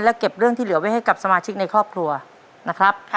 เก็บเรื่องที่เหลือไว้ให้กับสมาชิกในครอบครัวนะครับ